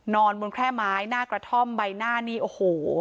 บนแค่ไม้หน้ากระท่อมใบหน้านี่โอ้โห